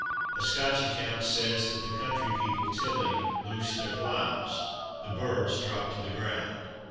A Scotch account says that "the country people tilling, loosed their ploughs. The birds dropped to the ground."